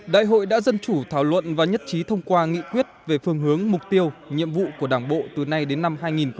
đại hội đã dân chủ thảo luận và nhất trí thông qua nghị quyết về phương hướng mục tiêu nhiệm vụ của đảng bộ từ nay đến năm hai nghìn hai mươi năm